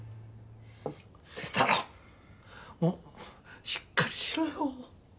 星太郎しっかりしろよ！